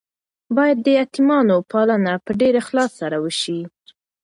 باید د یتیمانو پالنه په ډیر اخلاص سره وشي.